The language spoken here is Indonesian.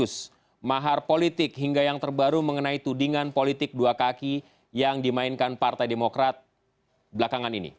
terus mahar politik hingga yang terbaru mengenai tudingan politik dua kaki yang dimainkan partai demokrat belakangan ini